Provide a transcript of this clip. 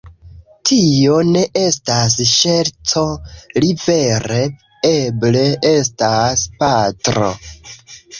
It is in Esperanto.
Tio ne estas ŝerco, li vere eble estas patro